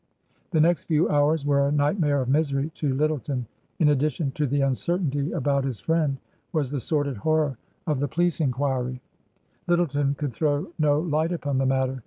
The next few hours were a nightmare of misery to L}rttleton. In addition to the uncertainty about his friend was the sordid horror of the police enquiry. TRANSITION. 295 Lyttleton could throw no light upon the matter.